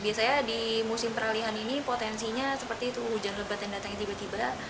biasanya di musim peralihan ini potensinya seperti itu hujan lebat yang datang tiba tiba